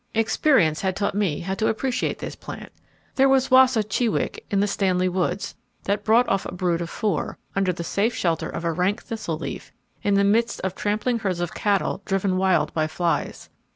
Experience had taught me how the appreciate this plant. There was a chewink in the Stanley woods, that brought off a brood of four, under the safe shelter of a rank thistle leaf, in the midst of trampling herds of cattle driven wild by flies.